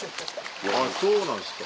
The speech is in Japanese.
そうなんですか。